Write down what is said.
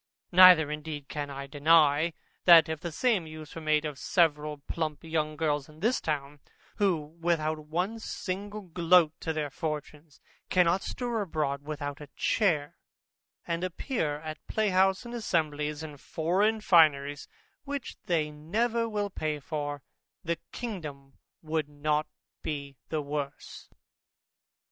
Neither indeed can I deny, that if the same use were made of several plump young girls in this town, who without one single groat to their fortunes, cannot stir abroad without a chair, and appear at a playhouse and assemblies in foreign fineries which they never will pay for, the kingdom would not be the worse.